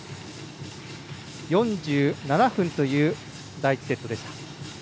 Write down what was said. ４７分という第１セットでした。